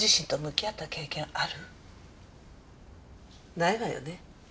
ないわよね。